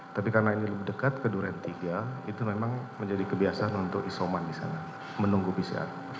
tapi karena ini lebih dekat ke duren tiga itu memang menjadi kebiasaan untuk isoman di sana menunggu pcr